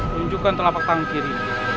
tunjukkan telapak tangan kiri